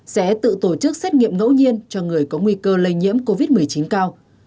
sẽ tự tổ chức xét nghiệm ngẫu nhiên cho người có nguy cơ lây nhiễm covid một mươi chín cao